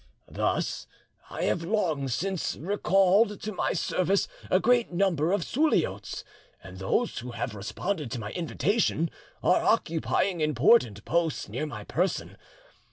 Thus I have long since recalled to my service a great number of Suliotes, and those who have responded to my invitation are occupying important posts near my person.